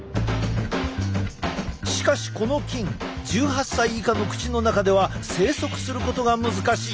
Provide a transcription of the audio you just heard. しかしこの菌１８歳以下の口の中では生息することが難しい。